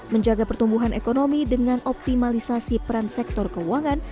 menjaga pertumbuhan ekonomi dengan optimalisasi peran sektor keuangan